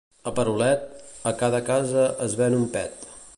A Perolet, a cada casa es ven un pet.